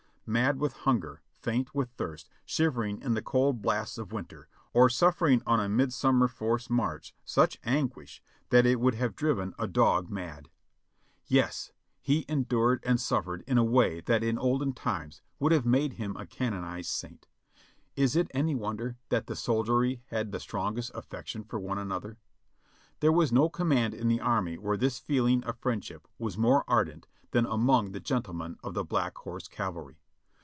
Mad with hunger, faint with thirst, shivering in the cold blasts of winter, or suffering on a mid summer forced march such anguish that it would have driven a dog mad. Yes ! he endured and suffered in a way that in olden times would have made him a canonized saint. Is it 5l8 JOHNNY REB AND BILLY YANK any wonder then that the soldiery had the strongest affection for one another? There was no command in the army where this feeling of friendship was more ardent than among the gentlemen of the Black Horse Cavalry.